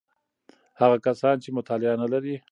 هغه کسان چې مطالعه نلري: